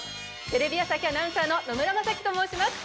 テレビ朝日アナウンサーの野村真季と申します。